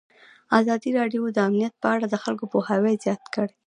ازادي راډیو د امنیت په اړه د خلکو پوهاوی زیات کړی.